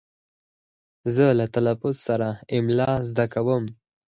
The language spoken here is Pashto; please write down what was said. زه له تلفظ سره املا زده کوم.